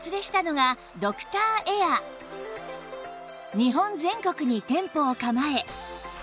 日本全国に店舗を構え